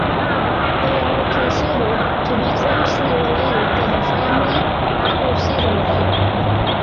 They are considered to be closely related to the family Acroceridae.